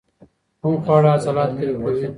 کوم خواړه عضلات قوي کوي؟